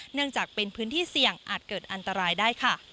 เนื่องจากเป็นพื้นที่เสี่ยงอาจเกิดอันตรายได้ค่ะ